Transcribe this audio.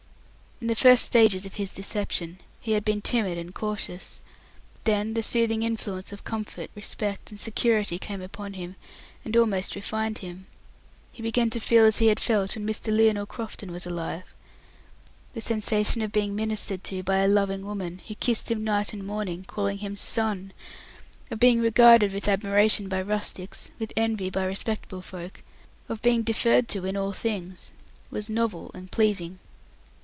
In the first stages of his deception he had been timid and cautious. Then the soothing influence of comfort, respect, and security came upon him, and almost refined him. He began to feel as he had felt when Mr. Lionel Crofton was alive. The sensation of being ministered to by a loving woman, who kissed him night and morning, calling him "son" of being regarded with admiration by rustics, with envy by respectable folk of being deferred to in all things was novel and pleasing.